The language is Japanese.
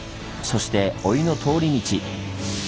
そしてお湯の「通り道」。